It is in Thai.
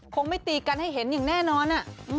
คงไม่ตีกันให้เห็นอย่างแน่นอน